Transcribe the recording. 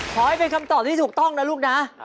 ขอให้เป็นคำตอบที่ถูกต้องนะลูกนะ